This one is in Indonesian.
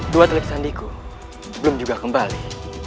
dua telik sandiku belum juga kembali